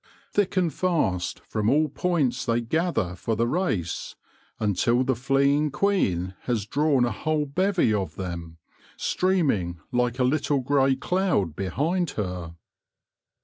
Thick and fast from all points they gather for the race, until the fleeing queen has drawn a whole bevy of them, stream ing like a little grey cloud behind her.